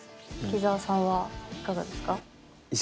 秋澤さんはいかがですか？